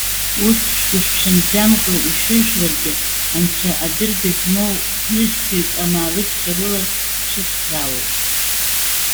Урҭ шәгәышәҽанӡамкәа ишәыжәларгьы, Анцәа адырга змоу хә-нызқьҩык амаалықьцәа рыла дшәыцхраауеит.